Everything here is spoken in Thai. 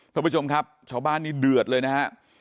ท่านผู้ชมครับชาวบ้านนี้เดือดเลยนะฮะ